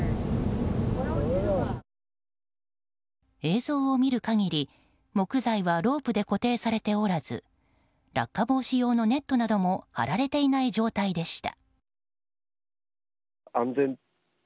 映像を見る限り木材はロープで固定されておらず落下防止用のネットなども張られていない状態でした。